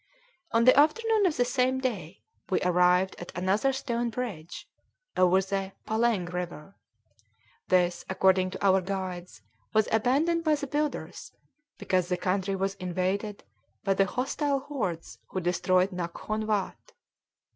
On the afternoon of the same day we arrived at another stone bridge, over the Paleng River. This, according to our guides, was abandoned by the builders, because the country was invaded by the hostile hordes who destroyed Naghkon Watt.